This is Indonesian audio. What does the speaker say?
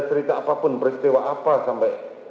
cerita apapun peristiwa apa sampai